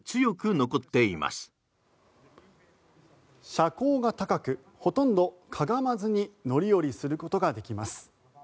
車高が高くほとんどかがまずに乗り降りすることができます。